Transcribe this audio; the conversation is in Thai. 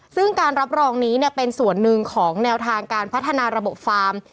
ซึ่งการรับรองนี้เป็นส่วนหนึ่งของแนวทางการพัฒนาระบบฟาร์ม